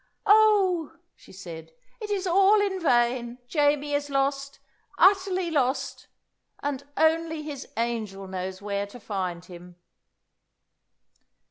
"Oh," she said, "it is all in vain! Jamie is lost, utterly lost, and only his angel knows where to find him!"